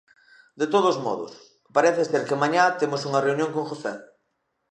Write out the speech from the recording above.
De todos modos, parece ser que mañá temos unha reunión con José.